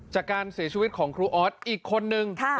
จากการเสียชีวิตของครูออสอีกคนนึง